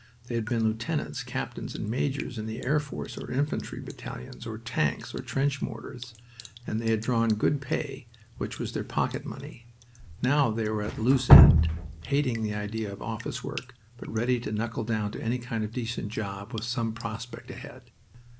They had been lieutenants, captains, and majors in the air force, or infantry battalions, or tanks, or trench mortars, and they had drawn good pay, which was their pocket money. Now they were at a loose end, hating the idea of office work, but ready to knuckle down to any kind of decent job with some prospect ahead.